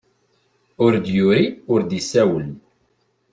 Ur d-yuri ur d-isawel.